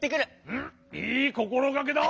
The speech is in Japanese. うんいいこころがけだ！